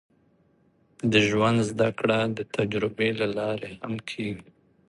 د ژوند زده کړه د تجربې له لارې هم کېږي.